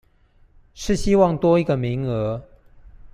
是希望多一個名額